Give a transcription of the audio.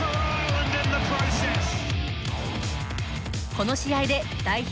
この試合で代表